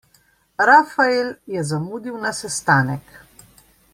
Rafael je zamudil na sestanek.